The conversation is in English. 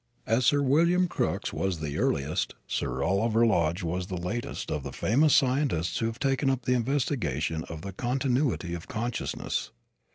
As Sir William Crookes was the earliest, Sir Oliver Lodge is the latest of the famous scientists who have taken up the investigation of the continuity of consciousness.